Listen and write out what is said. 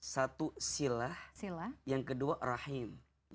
satu silah yang kedua rahim